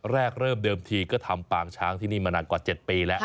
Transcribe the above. เริ่มเดิมทีก็ทำปางช้างที่นี่มานานกว่า๗ปีแล้ว